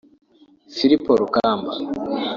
Filipo Rukamba